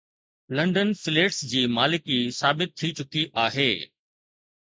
London flats جي مالڪي ثابت ٿي چڪي آهي.